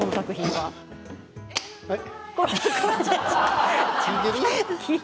はい？